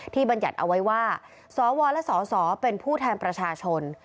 บรรยัติเอาไว้ว่าสวและสสเป็นผู้แทนประชาชน